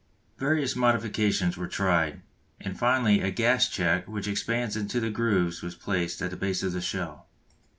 Various modifications were tried, and finally a gas check which expands into the grooves was placed at the base of the shell.